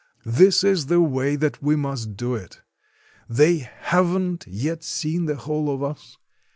This is the way that we must do it. They have n't yet seen the whole of us.